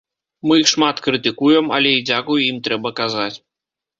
Мы іх шмат крытыкуем, але і дзякуй ім трэба казаць.